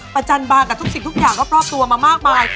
จันบากับทุกสิ่งทุกอย่างรอบตัวมามากมาย